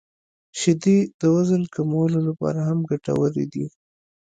• شیدې د وزن کمولو لپاره هم ګټورې دي.